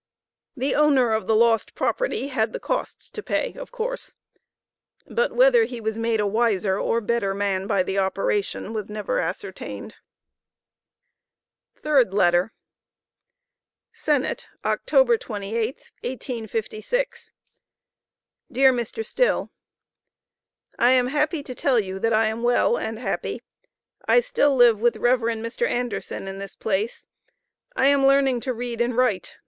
The owner of the lost property had the costs to pay of course, but whether he was made a wiser or better man by the operation was never ascertained. THIRD LETTER. SENNETT, October 28th, 1856. DEAR MR. STILL: I am happy to tell you that I am well and happy. I still live with Rev. Mr. Anderson in this place, I am learning to read and write.